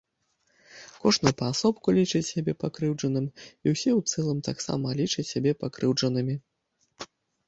Кожны паасобку лічыць сябе пакрыўджаным і ўсе ў цэлым таксама лічаць сябе пакрыўджанымі.